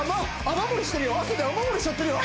雨漏りしてるよ